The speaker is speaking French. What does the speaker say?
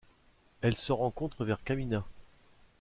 Elle se rencontre vers Kamina.